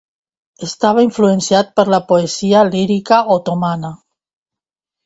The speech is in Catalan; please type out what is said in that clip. Estava influenciat per la poesia lírica otomana.